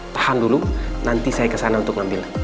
tahan dulu nanti saya kesana untuk ngambil